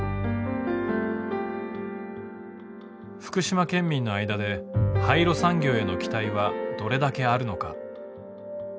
福島県民の間で廃炉産業への期待はどれだけあるのか。